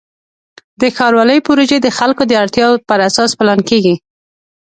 د ښاروالۍ پروژې د خلکو د اړتیاوو پر اساس پلان کېږي.